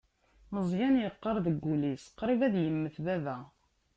Meẓyan yeqqar deg wul-is: Qrib ad immet baba.